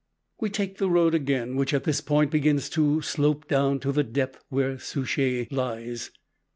We take the road again, which at this point begins to slope down to the depth where Souchez lies.